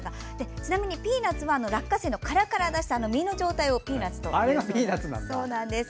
ちなみにピーナツは殻から出した実の状態をピーナツというそうです。